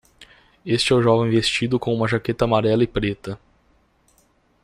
Este é o jovem vestido com uma jaqueta amarela e preta